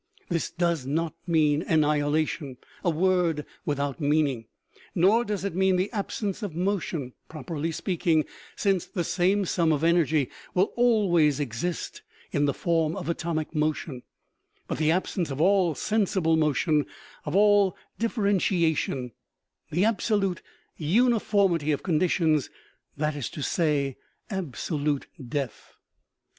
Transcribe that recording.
This does not mean annihilation, a word without meaning, nor does it mean the absence of motion, properly speak ing, since the same sum of energy will always exist in the form of atomic motion, but the absence of all sensible motion, of all differentiation, the absolute uniformity of conditions, that is to say, absolute death."